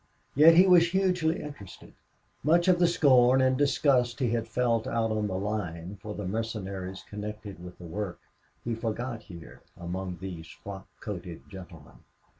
Yet he was hugely, interested. Much of the scorn and disgust he had felt out on the line for the mercenaries connected with the work he forgot here among these frock coated gentlemen.